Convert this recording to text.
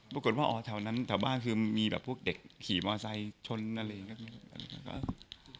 ปรากฏว่าอ๋อแถวนั้นแถวบ้านคือมีแบบพวกเด็กขี่มอไซค์ชนอะไรอย่างนี้